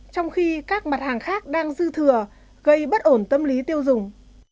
trong khi các mặt hàng khác đang dư thừa gây bất ổn tâm lý tiêu dùng